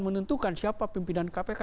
menentukan siapa pimpinan kpk